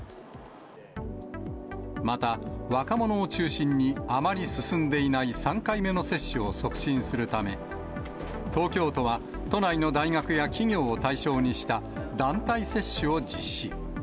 また、若者を中心に、あまり進んでいない３回目の接種を促進するため、東京都は、都内の大学や企業を対象にした団体接種を実施。